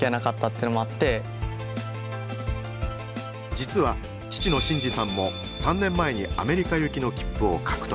実は父の慎治さんも３年前にアメリカ行きの切符を獲得。